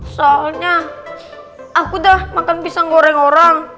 soalnya aku udah makan pisang goreng orang